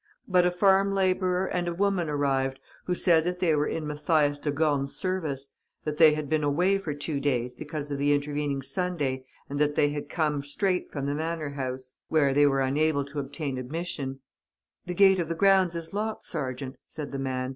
But a farm labourer and a woman arrived, who said that they were in Mathias de Gorne's service, that they had been away for two days because of the intervening Sunday and that they had come straight from the manor house, where they were unable to obtain admission: "The gate of the grounds is locked, sergeant," said the man.